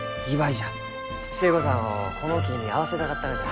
寿恵子さんをこの木に会わせたかったがじゃ。